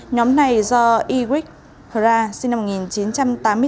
nhóm này do yigric hra sinh năm một nghìn chín trăm tám mươi bốn cầm đầu